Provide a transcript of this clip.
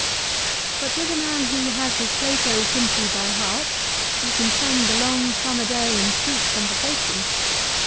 But with a man who has his Plato simply by heart you can spend the long summer day in sweet conversation.